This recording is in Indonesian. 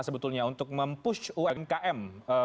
sebetulnya untuk mempush umkm